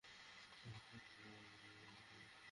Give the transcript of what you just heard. তখন পত্র-পল্লবহীন গাছগুলো লাঠির ন্যায় দাঁড়িয়ে থাকত।